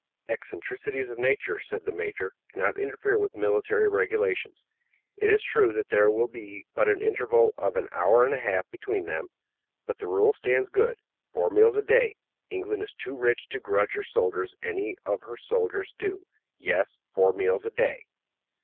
"Eccentricities of nature," said the major, "cannot interfere with military regulations. It is true that there will be but an interval of an hour and a half between them, but the rule stands good four meals a day. England is too rich to grudge her soldiers any of her soldiers' due. Yes; four meals a day."